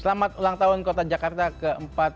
selamat ulang tahun kota jakarta ke empat puluh lima